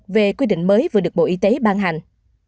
về quy định mới vừa được bộ y tế ban hành